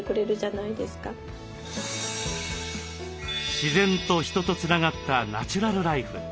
自然と人とつながったナチュラルライフ。